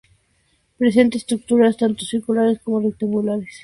Presenta estructuras tanto circulares como rectangulares.